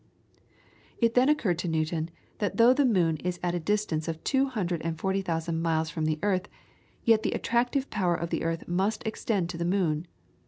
It then occurred to Newton, that though the moon is at a distance of two hundred and forty thousand miles from the earth, yet the attractive power of the earth must extend to the moon.